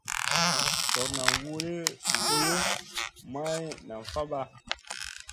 Gor nam huli kuyuʼu, maï nam fabaʼa.